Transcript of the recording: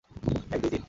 এক, দুই, তিন!